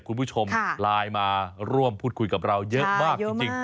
คุณผู้ชมไลน์มาร่วมพูดคุยกับเราเยอะมากจริง